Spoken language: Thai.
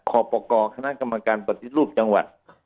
ขอประกอบคณะกรรมการปฏิรูปจังหวัด